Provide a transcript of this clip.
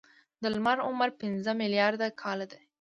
د لمر عمر پنځه ملیارده کاله دی.